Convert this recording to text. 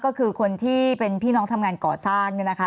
ก็คือคนที่เป็นพี่น้องทำงานก่อสร้างเนี่ยนะคะ